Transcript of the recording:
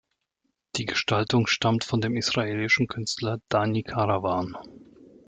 Die Gestaltung stammt von dem israelischen Künstler Dani Karavan.